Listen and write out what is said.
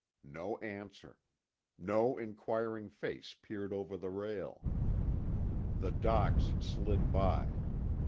No answer; no inquiring face peered over the rail. The docks slid by.